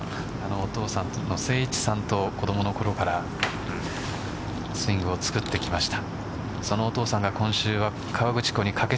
お父さんのセイイチさんと子どものころからスイングを作ってきました。